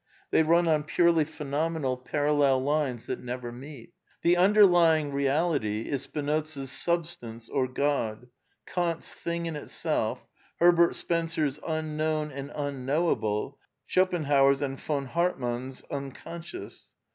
They run on purely phenomenal parallel lines that never meet. The imderlying Reality is Spinoza's Sub stance or God, Kant's Thing in Itself, Herbert Spencer's Unknown and Unknowable, Schopen hauer's and von Hartmann's Unconscious.